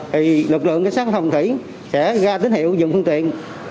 thì lực lượng công an tỉnh sẽ ra tín hiệu dùng phương tiện